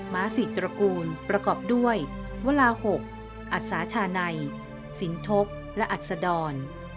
้าศรีตระกูลประกอบด้วยวลา๖อัศชานัยสินทบและอัศดร